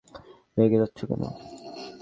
রেগে যাচ্ছ কেন?